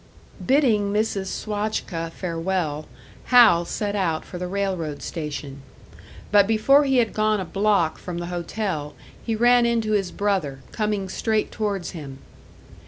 Bidding Mrs. Swajka farewell, Hal set out for the railroad station. But before he had gone a block from the hotel, he ran into his brother, coming straight towards him.